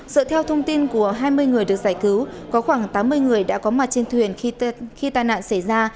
dựa theo thông tin của hai mươi người được giải cứu có khoảng tám mươi người đã có mặt trên thuyền khi tai nạn xảy ra